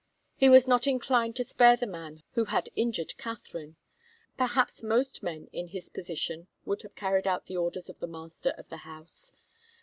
He was not inclined to spare the man who had injured Katharine. Perhaps most men in his position would have carried out the orders of the master of the house.